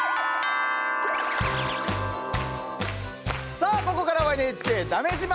さあここからは「ＮＨＫだめ自慢」。